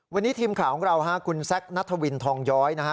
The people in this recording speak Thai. วันนี้ทีมข่าวของเราฮะคุณแซคนัทวินทองย้อยนะฮะ